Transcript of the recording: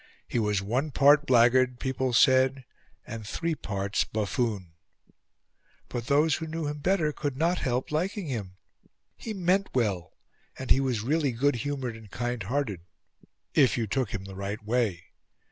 He was one part blackguard, people said, and three parts buffoon; but those who knew him better could not help liking him he meant well; and he was really good humoured and kind hearted, if you took him the right way.